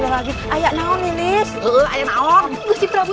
tidak mungkin terkena prabu